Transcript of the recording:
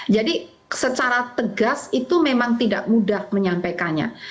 jadi secara tegas itu memang tidak mudah menyampaikannya